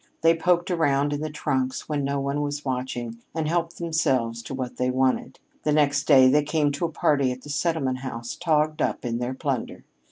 They poked around in the trunks when no one was watching and helped themselves to what they wanted. The next day they came to a party at the Settlement House togged up in their plunder.